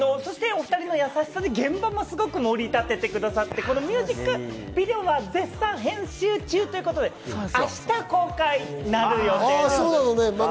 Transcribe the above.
２人の優しさで現場も盛り立ててくださってミュージックビデオは絶賛編集中ということで明日公開になる予定です。